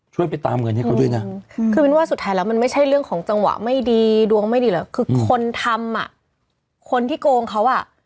ช่วยไปตามเงินให้ด้วยนะ